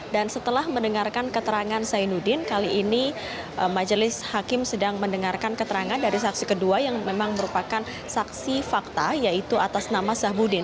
dan setelah mendengarkan keterangan zainuddin kali ini majelis hakim sedang mendengarkan keterangan dari saksi kedua yang memang merupakan saksi fakta yaitu atas nama zahbudin